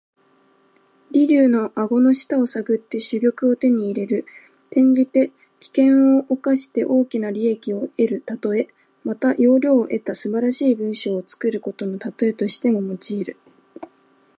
驪竜の顎の下を探って珠玉を手に入れる。転じて、危険を冒して大きな利益を得るたとえ。また、要領を得た素晴らしい文章を作ることのたとえとしても用いる。